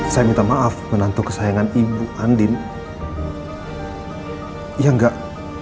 saya minta maaf menantuk kesayangan ibu andi yang gak